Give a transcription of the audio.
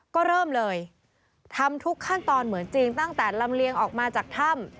ก็เริ่มเลยทำทุกขั้นตอนเหมือนจริงตั้งแต่ลำเลียงออกมาจากถ้ำ